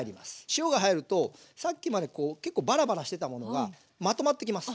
塩が入るとさっきまで結構バラバラしてたものがまとまってきます。